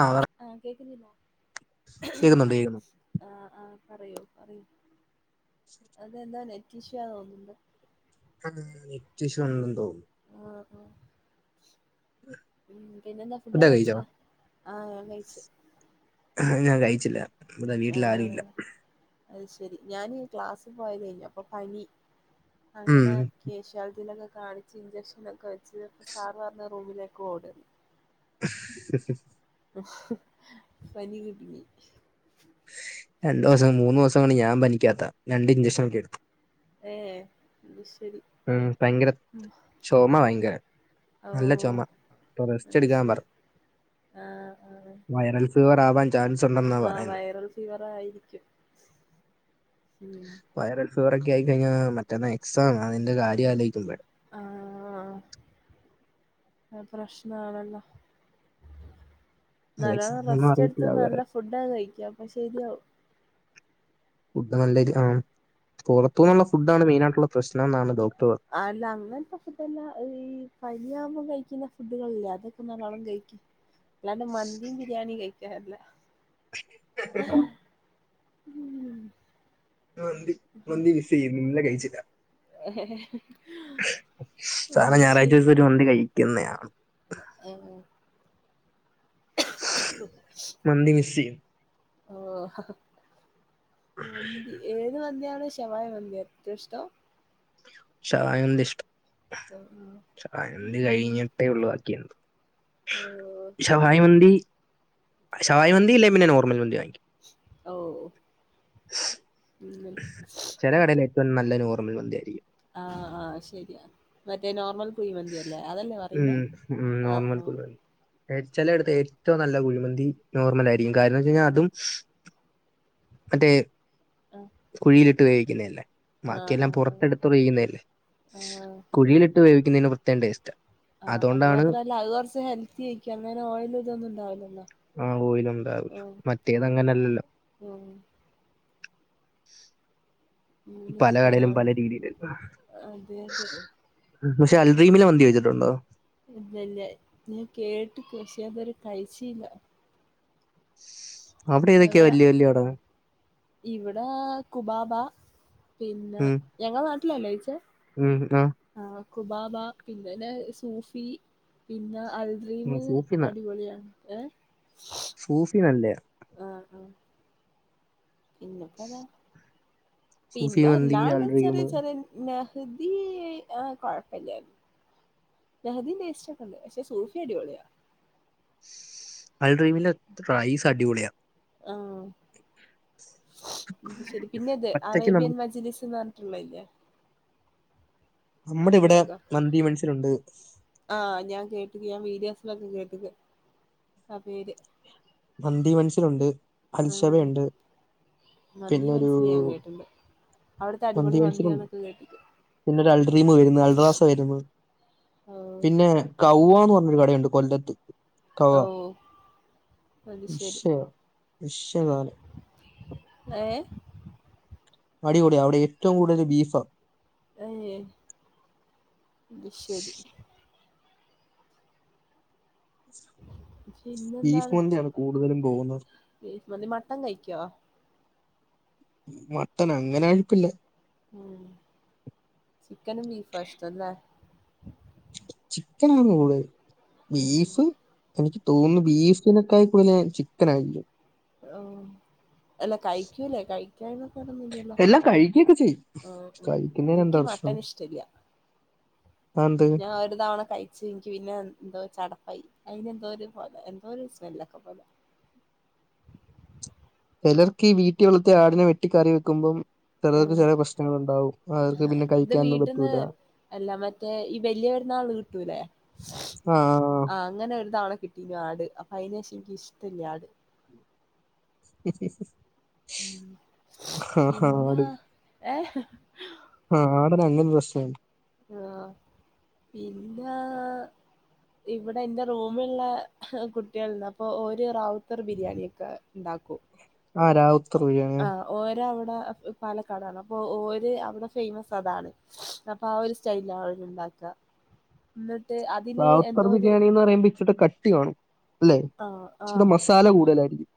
ആഹ് പറ് ആഹ് കേക്കുന്നില്ലോ കേക്കുന്നുണ്ട് കേക്കുന്നുണ്ട് ആഹ് ആഹ് പറയൂ പറയൂ. [unintelligible] അതെന്താ നെറ്റ് ഇഷ്യൂ തോന്നുണ്ട്. അത് നെറ്റ് ഇഷ്യൂ ആണെന്ന് തോന്നുന്നു. ആഹാ. ഉം പിന്നെന്താ ഫുഡ് ഒക്കെ കഴിച്ചോ? ആഹ് ഞാൻ കഴിച്ച്. ഞാൻ കഴിച്ചില്ല. ഇവിടെ വീട്ടിൽ ആരും ആഹ് ഇല്ല അത് ശരി ഞാനീ ക്ലാസ്സ് പോയതേനു. അപ്പൊ പനി. ഉം അങ്ങനെ കേശാൾട്ടിയിലൊക്കെ കാണിച്ച് ഇഞ്ചക്ഷനൊക്കെ വെച്ച് സാർ പറ്ഞ്ഞു റൂമിലെ. കോട്. [unintelligible] പനി കിട്ടിണ്ണി. രണ്ടു ദിവസം മൂന്നു ദിവസം കൊണ്ട് ഞാൻ പനിക്കാത്ത രണ്ട് ഇഞ്ചക്ഷനോക്കെ എടുത്തു. ഏ അതുശരി. ഉം ഭയങ്കര ചെമ ഭയങ്കര. നല്ല ഓഹ് ചെമ അപ്പോൾ റസ്റ്റ്‌ അത് എടുക്കാൻ ശരി പറ്ഞ്ഞു. ആഹ് ആഹ് വയറൽ ഫിവർ ആവാൻ. ചാൻസുണ്ടെന്ന്. ആഹ് വൈറൽ ഫീവർ ആയിരിക്കും ഉം. വൈറൽ ഫീവറ ഒക്കെ ആയിക്കഴിഞ്ഞാൽ മറ്റേന്ന എക്സാം അതിന്റെ കാര്യം ആലോചിക്കുമ്പഴ്. ആഹ് ആ അത് പ്രശ്നാണല്ലോ. അത് എക്സാം നല്ലോണം ഒന്നും റെസ്റ്റ് എടുത്ത് അറിയത്തില്ല വേറെ നല്ല ഫുഡ് ഒകെ കഴിക് അപ്പോ ശരിയാവും. ഫുഡ് നല്ല ആഹ് ഉം. പുറത്തുന്നുള്ള ഫുഡ്ഡണ് മെയിനായിയിട്ടുള്ള പ്രശ്നം എന്നാണ് ഡോക്ടർ പർ അല്ല അങ്ങനത്തെ ഫുഡ്ല്ല ഈ പനിയാകുമ്പോ കഴിക്കുന്ന ഫുഡുകളൾല്ലേ അതൊക്കെ നല്ലോണം കഴിക്ക്‌. അല്ലാണ്ട് മന്തിം ബിരിയാണിം കഴിക്കാനല്ല. പറഞ്ഞത്. ഉം. മന്തി മന്തി മിസ് ചെയ്യുന്നു ഇന്നലെ കഴിച്ചില്ലാ. ഹേ ഹേ ഹ് സാദാ ഞായറാഴ്ച ഒരു ദിവസം ഒരു മന്തി കഴിക്കുന്നേയാണ്. ഏഹ്. മന്തി മിസ്സെയ്യും. ഓ ഹ ഹ ഉം ഏത് മന്തിയാണ് ശവായ മന്തി ഏറ്റം ഇഷ്ടം? ശവായ മന്തി ഇഷ്ടം ആ, വായ മന്തി ഉം. കഴിഞ്ഞ് ഒഴിവാക്കിണ്ട് ഓ ശവായ മന്തി. ശവായ മന്തി ഇല്ലെ പിന്നെ നോർമൽ മന്തി വാങ്ങിക്കും. ഓ ഉം. ചെല കടേല് ഏറ്റവും നല്ല നോർമൽ മന്തി ആായിരിക്കും. ആഹ് ആഹ് അത് ശരിയാ മറ്റേ നോർമൽ കുയി മന്തിയല്ലേ അതല്ലേ പറി ഉം ഉം നോർമൽ കു ച്ചെലട്ത്ത് ഏറ്റവും നല്ല കുഴിമന്തി നോർമൽ ആയിരിക്കും കാരണംന്ന് വെച്ച് കഴിഞ്ഞാൽ അതും. ആഹ് അതെ. കുഴിയിലിട്ട് വേവിക്കുന്നയല്ലേ. ആഹ് ആഹ് ബാക്കിയെല്ലാം ആഹ് ആഹ് പുറത്തെടുത്ത്. റിയുന്നല്ലേ ആഹ് കുഴിയിലിട്ട് വേവിക്കുന്നതിന് പ്രത്യേകം ടേസ്റ്റാ. ആ അത് മാത്രമല്ല അത് കുറച്ച് ഹെൽത്തി ആയിരിക്കും അന്നേരം ഓയിലിതൊന്നും ഉണ്ടാവില്ലല്ലോ ആഹ് ഓയിലുണ്ടാവൂില്ല മറ്റേത അങ്ങനല്ലല്ലോ ഉം [inaudible] പല കടയിലും അങ്ങനൊക്കെയാണ് പല രീതിയിലക്കും അതെ അതെ പക്ഷെ അൽറീമിനെ മന്തി കയ്യിച്ചിട്ടുണ്ടോ ഇല്ലല്ല ഞാൻ കേട്ട്ക്ക്‌ പഷേ ഞാനിത് വരെ കയ്ച്ച്യില്ല അവിടെ ഏതൊക്കെയാ ഞങ്ങള വലിയ വലിയ കട ഇവിടെ കുബാബ പിന്നെ ഞങ്ങളെ നാട്ടിലല്ലോ ചോയ്ച്ചേ? ഉം ഉം ആ കുബാബ പിന്നന്നെ സൂഫി പിന്നെ അൽ ഡ്രീം ഉം. സൂഫി അടിപൊളിയാണ് ഏഹ സൂഫിനല്ലേയ ആഹ് ആഹ് പിന്നെപ്പ സൂഫി മന്തി, പിന്നെല്ലാണ്ട് അൽ റീം. ചെറിയ ചെറിയ നെഹദി ആ കുഴപ്പമില്ലായി നഹദീന്റെ ടെസ്റ്റോക്കെ ണ്ട് പക്ഷെ സൂഫി അടിപൊളിയാ അൽരീമിലെ റൈസ് അടിപൊളിയ ആഹ് ശരി പിന്നെത് ഒറ്റയ്ക്ക് അറേബ്യൻ നമുക്ക് മ ജിലീസ് എന്ന് പറഞ്ഞിട്ടുള്ളല്ലേ ആ നമ്മുടെ ഇവിടെ മന്തി മൻസിലുണ്ട് ആഹ ഞാൻ കേട്ടക്ക്‌ ഞാൻ വീഡിയോസിലൊക്കെ കേട്ടക്കണ് ആ പേര് മന്തി മൻസിലുണ്ട് ഉം അൽശവയുണ്ട് മന്തി മനസ്സില ഞാൻ കേട്ടിണ്ട് അവിടുത്തെ അടിപൊളി മന്തിന്നൊക്കെ കേട്ടിക്കണ്. പിന്നെ ഒരു അൽറീം വരന്നു അൽറാസ വരുന്നു ഓഹ് പിന്നെ കൗവന്ന് പറഞ്ഞൊരു കടയുണ്ട് കൊല്ലത്ത് ഓ ഷെവ ഷെവ ഏഹ അടിപൊളിയാ അവിടേറ്റവും കൂടുതല് ബീഫാ ഏഹ് അത്ശെരി ബീഫ് പിന്നെന്താണ് മന്തിയാണ് കൂടുതലും പോകുന്നത് ബീഫ് മന്തി മട്ടൻ കയിക്കോ മട്ടനങ്ങനഴിക്കില്ല ഉം ചിക്കനും ബീഫുആ ഇഷ്ടം ല്ലേ ചിക്കനാണ് കൂടുതൽ ഉം ബീഫ് എനിക്ക് തോന്നുന്നു ബീഫിനെക്കായ് കൂടുതൽ ഞാൻ ചിക്കനായിരിക്കും ഉം അല്ല കയിക്കൂല്ലേ കയിക്കാന്നാ പടൊന്നില്ലല്ലോ എല്ലാം കഴിക്കൊക്കചെയ്യും ആ ഉം എനിക്ക് മട്ടനിഷ്ടല്ല അതെന്ത് ഞാഒരു തവണ കഴി എനിക്ക് പിന്നെ എന്തോ ഒച്ചടപ്പായി അയിനെന്തോരു പൊക എന്തോരു സ്മെല്ലൊക്കെ പോലെ ചെലർക്കീ വീട്ടി വളർത്തിയാടിനെ വെട്ടി കറി വെക്കുമ്പം ചെലർക്ക് ഉം. ചെല പ്രശ്നങ്ങള്ണ്ടാവും അവർക്ക് പിന്നെ ഇത് കയിക്കാനൊന്നും വീട്ടിന്ന് പറ്റൂല അല്ല മറ്റേ ഈ വല്യപെരുന്നാളിന് കിട്ടൂലേ ആ ആഹ് അങ്ങനെ ഒരു തവണ കിട്ടി ആട് അപ്പൊ അയിനേശെനിക്കിഷ്ടില്ല ആട് പിന്നാ ഏ ആഹ് ആടിനങ്ങനൊരു പ്രശ്നുണ്ട് ആഹ് പിന്നാ ഇവിടെന്റെ റൂമിലുള്ള കുട്ടികൾണ്ട് അപ്പൊ ഓര് റാവുത്തർ ബിരിയാണിയൊക്ക്‌ണ്ടാക്കും ആ രാവു ആ ഓരവിടെ പാലക്കാടാണ് അപ്പോര് അവിടെ ഫേമസഅതാണ് അപ്പാ ഒരു സ്റ്റൈലിലാ അവരുണ്ടാക്ക ഇന്നിട്ട് അതി റാവുത്തർ ബിരിയാണിന്നറയുമ്പ ഇച്ചൂടെ കട്ടി വേണം ല്ലെ ആ ഇച്ചൂടെ മസാല കൂടുതലായിരിക്കും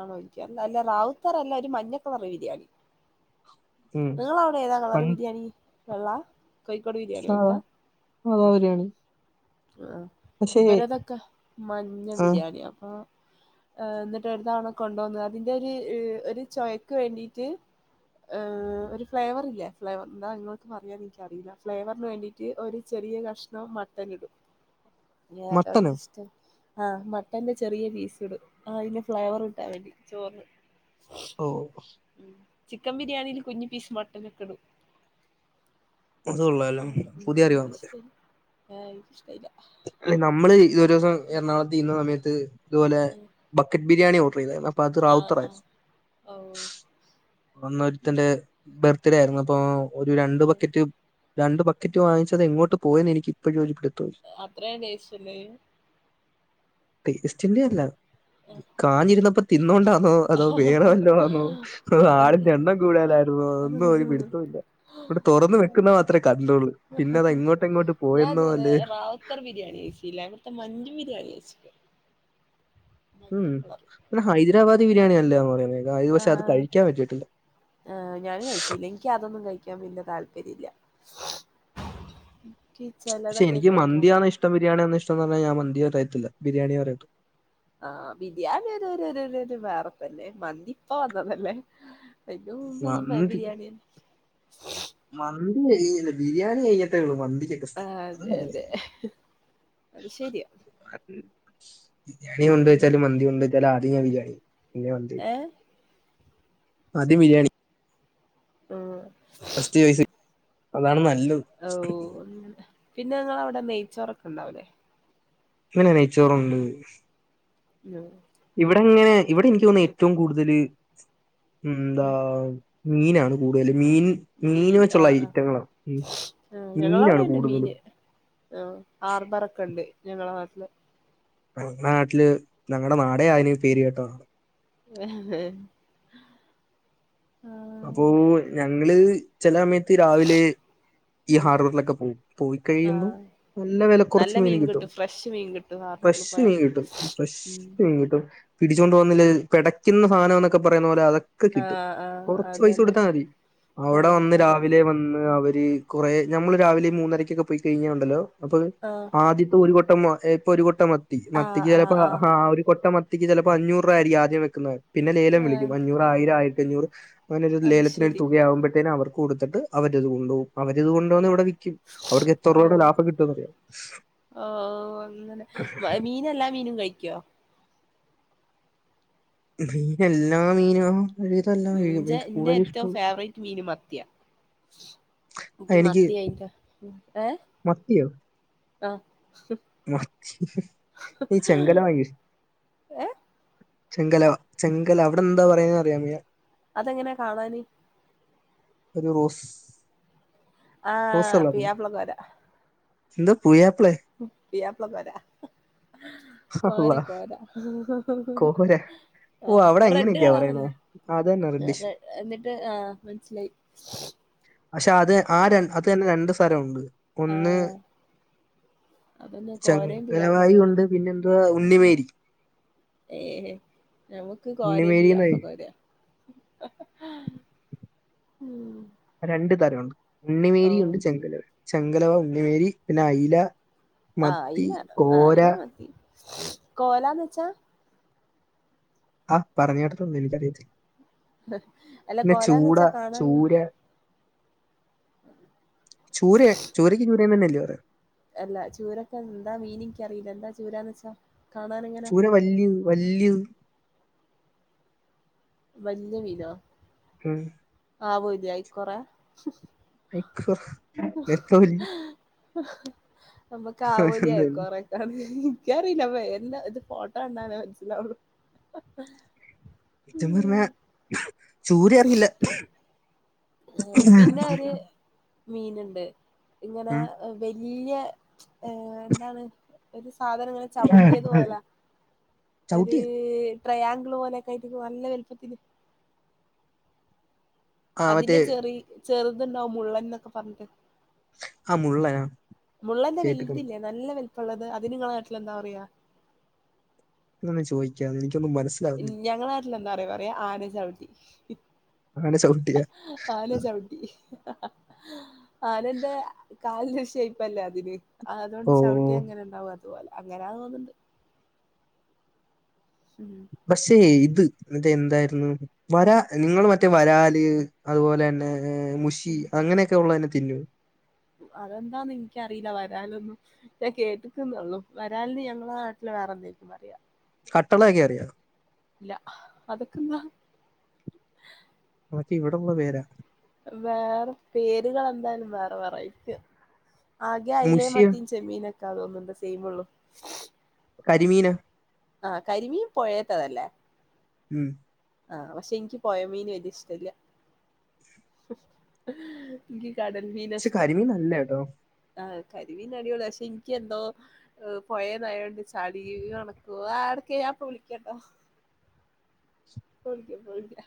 ആണോവെക്ക അല്ല റാവുത്തറല്ല ഒരു മഞ്ഞക്കളറ് ബിരിയാണി ഉം. നിങ്ങളവിടെതാ കളറ് പണ്ട് ബിരിയാണി വെള്ളാ കോയിക്കോട് ബിരിയാണി സാധാ പോലത്താ സാധാ ബിരിയാണി ആഹ് പക്ഷേ ഇവരതെക്കെ മഞ്ഞ ആ ബിരിയാണിയാ അപ്പൊ എന്നി ഒരുതവണ കൊണ്ട്ന്നു അതിന്റൊരു ര് ചൊയക്ക് വേണ്ടിട്ട് ഏ ഒരു ഫ്ലേവറില്ല ഫ്ലേവർ എന്താ നിങ്ങളോടത്ത് പറയാന്നെനിക്കറിയില്ല ഫ്ലേവറിന് വേണ്ടി റ്റ് ഒരു ചെറിയ കഷ്ണം മട്ടനിടും മട്ടനോ ഏതാനിക്കിഷ്ടം ആഹ് മട്ടന്റെ ചെറിയ പീസിടും ആ ഫ്ലേവറ് കിട്ടാൻവേണ്ടി ചോറിന് ഓഹ് ചിക്കൻ ബിരിയാണില് കുഞ്ഞ് പീസ് മട്ടനൊക്ക്‌ടും അത് കൊള്ളാലോ പുതിയറിവാതൊക്കെ ഏഹ് എനിക്കിഷ്ടായില്ല അല്ല നമ്മള് ഇതൊരുസം എറണാകുളത്തിന്ന സമയത്ത് ഇതു പോലെ ബക്കറ്റ് ബിരിയാണി ഓർഡറെയ്താരുന്നു അപ്പത് ആഹ് ആഹ് റാവുത്തറാരുന്നു ഓ അന്നൊരുത്തന്റെ ബർത്ത്ഡേയായിരുന്നു അപ്പൊ ഒരു ഉം രണ്ട്ബക്കറ്റ് രണ്ടു ബക്കറ്റ് വാങ്ങിച്ചതെങ്ങോട്ട് പോയിന്നെനിക്കിപ്പഴും ഒരു പിട്ത്തുല്ല അത്രേം ടേസ്റ്റ്ണ്ടയിന് ടേസ്റ്റിന്റെയല്ല കാഞ്ഞിരുന്നപ്പ തിന്നോണ്ടാന്നോ അതോ വേറെവല്ലോമാന്നോ അതോ ആളിന്റെണ്ണം കൂട്തലായിരുന്നോ ഒന്നും ഒരു പിട്ത്തൊല്ല ഇവിടെ തൊറന്ന് വെക്കുന്ന മാത്രേ കണ്ടൊള്ളു പിന്നതെങ്ങോട്ടെങ്ങോട്ട് പോയെന്നോ അല്ലേ വുത്തർ ബിരിയാണി കയിച്ചില്ല അവിടുത്തെ മഞ്ചു ബിരിയാണി കയിച്ചിന് ഉം പിന്നെ ഹൈദരാബാദി ബിരിയാണി നല്ലായാന്ന് പറയന്നേ അതായത് പക്ഷെ അത് ആഹ് കഴിക്കാൻ പറ്റിട്ടില്ല എനിക്കതൊന്നും കയിക്കാൻ വല്യ താല്പര്യല്ല പക്ഷെ എനിക്ക് മന്തിയാണ്ഷ്ടം ബിരിയാണിയണോ ഇഷ്ടന്ന് പറഞ്ഞാ ഞാ മന്തി പറയിത്തില്ല ബിരിയാണിയേ പറയത്തുള്ളൂ. ആഹ് ബിരിയാണിരരരോര ഒരു വേറെത്തല്ലെ മന്തിപ്പ വന്നതല്ലേ ഏറ്റവും മുൻപ് ഈ മന്തി ബിരിയാണിയന്നെ മന്തി കഴ ബിരിയാണി കഴിഞ്ഞിട്ടേള്ളൂ മന്തി ആഹ് അതെ അതെ അത് ശരിയാ ബിരിയാണി കൊണ്ട് ഉം. വെച്ചാലും മന്തി കൊണ്ട് വച്ചാലും ആദ്യം ഞാൻ ബിരിയാണി പിന്നെ മന്തി ഏ ആദ്യം ബിരിയാണി ആഹ് ഫസ്റ്റ് ചോയ്സ് അതാണ് നല്ലത് ഓഹ് പിന്നെ ഞങ്ങളവിടെ നെയ്ച്ചോറക്കെ ഇണ്ടാവൂലേ പിന്നെ നെയ്ച്ചോറുണ്ട് ണോ ഇവിടെങ്ങനെ ഇവിടെ എനിക്ക് തോന്നുന്ന ഏറ്റവും കൂടുതല് എന്താ ഉം. മീനാണ് കൂടുതലും മീൻ മീൻ മീന് ആ വെച്ചുള്ള ആ ഐറ്റങ്ങളാണ് മീനാണ് ഞങ്ങളവിടെണ്ട് കൂടുതലും മീന് ആ ഹാർബറൊക്കെണ്ട് ഞങ്ങളെ നാട്ടില് ഞങ്ങള നാട്ടില് ഞങ്ങളുടെ നാടേ അയിന് പേര് കേട്ടാതാണ് ആഹ അപ്പോ ഞങ്ങള് ചില സമയത്ത് രാവിലെ ഈ ഉം ഹാർബറിലൊക്കെ പോവും പോയി ആ കഴിയുമ്പോൾ നല്ല വില കുറച്ച് നല്ല മീൻ കിട്ടും ഫ്രഷ് മീൻ കിട്ടും ഹാർബറിൽ ഫ്രഷ് പോയ മീൻ കിട്ടും ഫ്രഷ് ഉം മീൻ കിട്ടും. പിടിച്ചുകൊണ്ട് പോന്നില്ലേ പിടക്കുന്ന സാധനം എന്നൊക്കെ പറയുന്ന പോലെ അതൊ ആഹ് ആഹ് കൊറച് പൈസ കൊടുത്താൽ മതി. അവിടെ വന്ന് അതെ രാവിലെ വ അവര് കൊറേ, നമ്മള് രാവിലെ മൂന്നരക്കൊക്കെ പോയി കഴിഞ്ഞ ഉണ്ടല്ലോ അപ്പൊ ആഹ് ആദ്യത്തെ ഒരു കൊട്ട ഒരു കൊട്ടം മത്തി ആ മത്തിക്ക് ആ ചിലപ്പോ ആ ഒരു കൊട്ട മ ക്ക് ചിലപ്പോ അഞ്ഞൂറ് രൂപ ആയിരിക്കും ആദ്യം വെക്കുന്നത് പിന്നെ ലേലം ആ വിളിക്കും അഞ്ഞൂറ്, ആയിരം, ആയിരത്തിആഞ്ഞൂറ്, അങ്ങനെ ഒരു അത് ലേലത്തിന് ഒരു ശരി തുകയാവുമ്പോത്തേും അവർക്ക് കൊടുത്തിട്ട് അവര അത് കൊണ്ടപോക അവരത് കൊണ്ടോന്ന് ഇവിടെ അവർക്ക് എത്ര രൂപയുടെ ലാഭം കിട്ടുംന്നറിയോ? ഓഹ് അങ്ങനെ മീനെല്ലാ മീനും കഴിക്കുവോ എല്ലാ മീന? [unintelligible] എന്റെ ഏറ്റവും ഫേവറേറ്റ് മീൻ മത്തിയാണ്. ആ, എക്ക് എനിക്ക് മത്തിയയിട്ട ഏ മത്തിയോ? ആഹ് [unintelligible] ചെങ്കലമായി ഏഹ്? ചെങ്കല ചെങ്കല അവിടെ എന്താ പറയ അറിയാ മയ്യ അതെങ്ങനെയ കാണാന്? ഒരു റോസ് റോസ് ആഹ് ഉള്ളത് പ്യാപ്ളകോരാ എന്താ പുയാപ്പിളെ? പിയാപ്ലിക്കൂര കോര അല്ല കോരാ കോര ഓ അവിടെ ആ റെഡ് എങ്ങനെയൊക്കെയാ കളർ പറയണേ അത് തന്നെ റെഡ് ഡിഷ് അല്ലേറെ എന്നിട്ട് ആഹ മനസിലായി പക്ഷെ അത് ആ ര അത് തന്നെ രണ്ട് സ്ഥലംണ്ട് ആ ഒന്ന് അതന്നെ കോരയും പിയാപ്ല ചങ്കലവായി കോരയും ഉണ്ട് പിന്നെ എന്തതുവാ ഉണ്ണിമേരി ഏ ഞമുക്ക് കോര എം ഉണ്ണിമേരി എന്നായി പിയാപ്പളാകൊരയും രണ്ടു തരമുണ്ട്. ഓ ഉണ്ണിമേരി ഉണ്ട് ചെങ്കലവ ചെങ്കലവ ഉണ്ണിമേരി പിന്നെ അയില ആഹ മത്തി അയില ആഹ കോര അയില, മത്തി കോലാന്ന് വെച്ചാ? ആഹ പറഞ്ഞ കേട്ടട്ടുണ്ട് എനിക്കറിയത്തില്ല അല്ല പിന്നെ കോലാന്ന് ചൂട വെച്ചാ കാണാൻ ചൂര ചൂര ചൂരയ്ക്ക് ചൂര തന്നെയല്ലേ? അല്ല ചൂരക്ക് എന്താ മീൻ ഇൻക്കി അറീല്ല എന്താ ചൂരാന്ന് വെച്ചാ കാണാൻ എങ്ങനാ? വല്യു വല്യത് വല്യ മീനോ? ഉം ആവോലിയോ അയ്ക്കൊറെ? ലൈക്ക് എത്ര വല്യ ഞമ്മക്ക് ആവോലി, അയിക്കോറേ ന്താന്ന് ഇൻക്കറിയില്ല എന്താഇത് ഫോട്ടോ കണ്ടാലേ മനസിലാവോള്ളൂ പറഞ്ഞേ ചൂര അറിയില്ല പി മീൻണ്ട് ഇങ്ങനെ ഉം. വല്യ ഏ എന്താണ് ഒരു സാധനം ഇങ്ങനെ ചവിട്ടിയതു പോലെ ഒരു ചവിട്ടിയോ? ട്രയാംഗിൾ പോലെക്കെ ആയിട്ട് നല്ല വലുപ്പത്തില് ആ മറ്റേ അതിന്റെ ചെറീ ചെറുതുണ്ടാവും മുള്ളൻന്നൊക്കെ പറഞ്ഞിട്ട് ആ മുള്ളൻ മുള്ളന്റെ വലുതില്ലേ നല്ല വലുപ്പമുള്ളത് അതിനങ്ങളെ നാട്ടിൽ എന്താ പറയാ? ഇതൊന്നും ചോദിക്കാതെ എനിക്കൊന്നും മനസ്സിലാവുന്നില്ല. എന്താറിയോ പറയാ ആന ചവിട്ടി. ആന ചവിട്ടിയാ? ആന ചവിട്ടി ആനന്റെ കാൽന്റെ ഷേപ്പല്ലേ അതിന് ഓ അതൊണ്ട് ചവിട്ടിയാങ്ങനെ ഇണ്ടാവും അത്പോലെ അങ്ങനാന്ന് തോന്നുണ്ട് ഉം പക്ഷേ ഇത് ഇത് എന്തായിരുന്നു വരാ നിങ്ങൾ മറ്റേ വരാല് അതുപോലെ തന്നെ മുഷ് ഷി അങ്ങനെയൊക്കെ ഉള്ളതിനെ തിന്നോ അതെന്താന്ന് ഇൻക്കറീല്ല വരാലൊന്നും ഞാൻ കേട്ടക്ക്ന്നോള്ളു വരാൽന് ഞങ്ങളെ നാട്ടിൽ വേറെ എന്തേക്കും പറയാ കട്ടള ഒക്കെ അറിയാ ഇല്ല അതൊക്കെന്താ? അതൊക്കെ ഇവിടെ ഒള്ള പേരാ വേറെ പേരുകൾ എന്തായാലും വേറെ വേറെ ആയിരിക്കും ആകെ അയിലേം മുഷിയ മത്തിം ചെമ്മീനൊക്കെ തോന്നുണ്ട് സെയിം ഒള്ളൂ കരിമീനാ ആഹ കരിമീൻ പോഴേത്തതല്ലേ ഉം [unintelligible] ആഹ് പക്ഷെ ഇൻക് പോയ മീന് വല്യ ഇഷ്ടല്ല ഇനിക്ക് കടൽ മീനാ പക്ഷെ ഇഷ്ട്ടം കരിമീൻ നല്ലയാട്ടോ ആഹ കരിമീൻ അടിപൊളിയാ പക്ഷെ ഇനിക്ക് എന്തോ പോയതായൊണ്ട് ചളി മണക്കും ആടക്കി ഞാൻ ഇപ്പൊ വിളിക്കട്ടോ ഇപ്പൊ വിളിക്യാ ഇപ്പൊ വിളിക്യാ